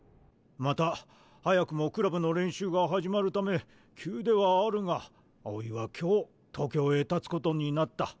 また早くもクラブの練習が始まるため急ではあるが青井は今日東京へたつことになった。